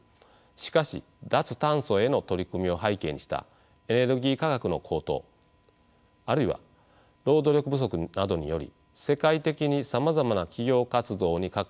しかし脱炭素への取り組みを背景にしたエネルギー価格の高騰あるいは労働力不足などにより世界的にさまざまな企業活動にかかる経費が増えています。